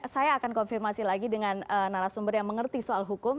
saya akan konfirmasi lagi dengan narasumber yang mengerti soal hukum